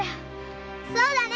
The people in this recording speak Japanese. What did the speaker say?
そうだね！